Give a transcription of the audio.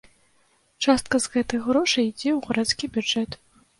Частка з гэтых грошай ідзе ў гарадскі бюджэт.